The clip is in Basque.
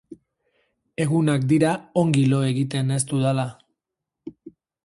Egunak dira ongi lo egiten ez dudala.